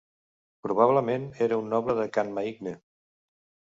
Probablement, era un noble de Canmaicne.